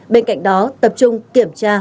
bên cạnh đó tập trung kiểm tra